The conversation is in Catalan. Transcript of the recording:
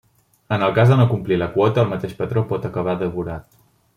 En el cas de no complir la quota, el mateix patró pot acabar devorat.